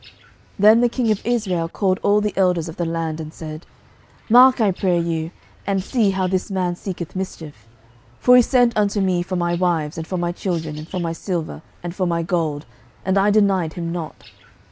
11:020:007 Then the king of Israel called all the elders of the land, and said, Mark, I pray you, and see how this man seeketh mischief: for he sent unto me for my wives, and for my children, and for my silver, and for my gold; and I denied him not.